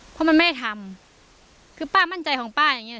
เพราะมันไม่ได้ทำคือป้ามั่นใจของป้าอย่างเงี้